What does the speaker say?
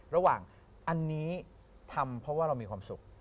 ระหว่างอันนี้ทำเพราะว่าเรามีความสุข